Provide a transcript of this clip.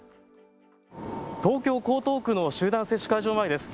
東京江東区の集団接種会場前です。